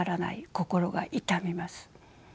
心が痛みます。